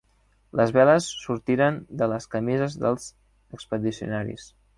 Les veles sortiren de les camises dels expedicionaris.